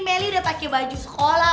meli udah pake baju sekolah